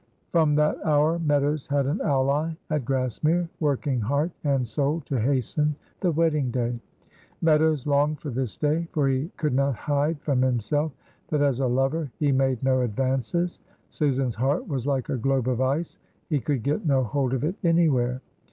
From that hour Meadows had an ally at Grassmere, working heart and soul to hasten the wedding day. Meadows longed for this day; for he could not hide from himself that as a lover he made no advances. Susan's heart was like a globe of ice; he could get no hold of it anywhere.